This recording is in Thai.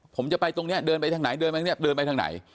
ผมจะไปตรงนี้เดินไปทางไหนเดินไปทางไหน